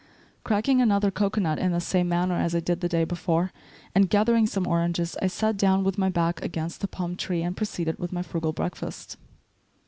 Cracking another cocoanut in the same manner as I did the day before and gathering some oranges, I sat down with my back against the palm tree and proceeded with my frugal breakfast.